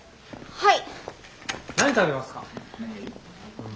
はい。